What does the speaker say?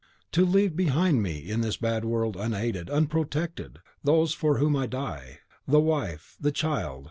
To leave behind me in this bad world, unaided, unprotected, those for whom I die! the wife! the child!